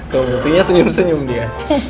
kau buktinya senyum senyum dia